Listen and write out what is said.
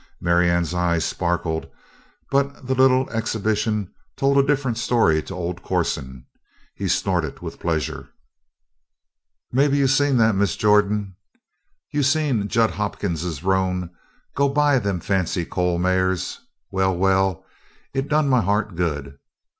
Marianne's eyes sparkled but the little exhibition told a different story to old Corson. He snorted with pleasure. "Maybe you seen that, Miss Jordan? You seen Jud Hopkin's roan go by them fancy Coles mares? Well, well, it done my heart good!